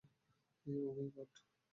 Oh, my god.